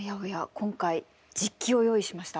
今回実機を用意しました。